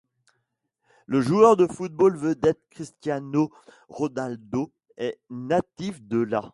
Le joueur de football vedette Cristiano Ronaldo est natif de là.